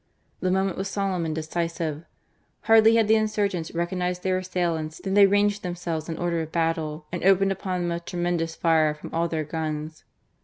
The moment was solemn and decisive. Hardly had the insur gents recognized their assailants than they ranged themselves in order of battle, and opened upon them a tremendous fire from all their guns.